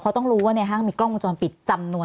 เขาต้องรู้ว่ามีกล้องมุมจอมปิดจำนวนมาก